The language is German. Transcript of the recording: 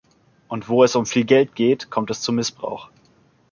Und wo es um viel Geld geht, kommt es zu Missbrauch.